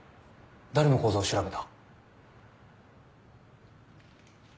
誰の口座を調べた？